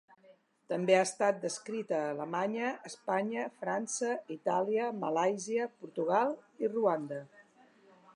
També ha estat descrita a Alemanya, Espanya, França, Itàlia, Malàisia, Portugal i Ruanda.